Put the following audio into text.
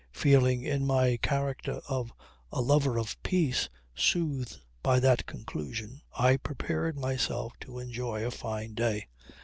Feeling, in my character of a lover of peace, soothed by that conclusion I prepared myself to enjoy a fine day.